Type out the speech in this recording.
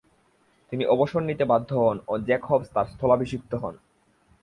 তিনি অবসর নিতে বাধ্য হন ও জ্যাক হবস তার স্থলাভিষিক্ত হন।